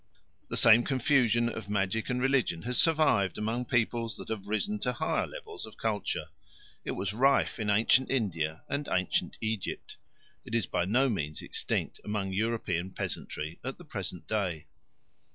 The same confusion of magic and religion has survived among peoples that have risen to higher levels of culture. It was rife in ancient India and ancient Egypt; it is by no means extinct among European peasantry at the present day.